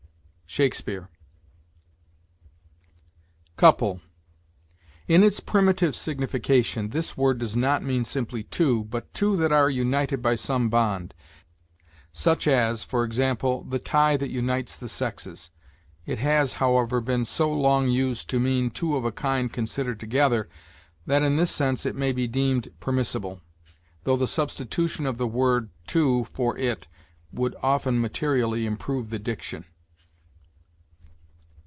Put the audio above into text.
Shakespeare. COUPLE. In its primitive signification, this word does not mean simply two, but two that are united by some bond; such as, for example, the tie that unites the sexes. It has, however, been so long used to mean two of a kind considered together, that in this sense it may be deemed permissible, though the substitution of the word two for it would often materially improve the diction.